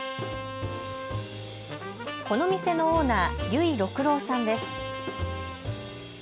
この店のオーナー、由井緑郎さんです。